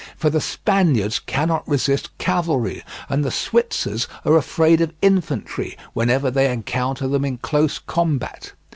For the Spaniards cannot resist cavalry, and the Switzers are afraid of infantry whenever they encounter them in close combat.